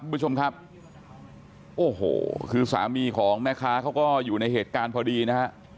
คุณผู้ชมครับโอ้โหคือสามีของแม่ค้าเขาก็อยู่ในเหตุการณ์พอดีนะฮะ